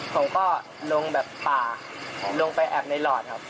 ผมก็ลงแบบป่าลงไปแอบในหลอดครับ